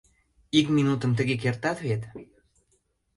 Ик минутым тыге кертат вет?